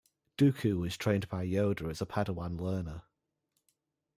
Dooku was trained by Yoda as a Padawan learner.